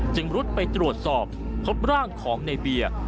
รุดไปตรวจสอบพบร่างของในเบียร์